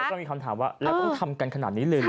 ก็มีคำถามว่าแล้วต้องทำกันขนาดนี้เลยเหรอ